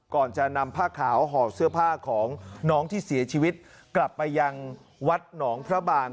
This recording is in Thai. ก่อนจะนำผ้าขาวห่อเสื้อผ้าของน้องที่เสียชีวิตกลับไปยังวัดหนองพระบาล